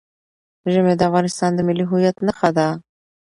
ژمی د افغانستان د ملي هویت نښه ده.